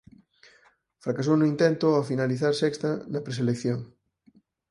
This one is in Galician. Fracasou no intento ao finalizar sexta na preselección.